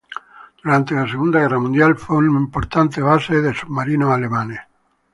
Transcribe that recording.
Durante la Segunda Guerra Mundial fue una importante base de U-Boot alemanes.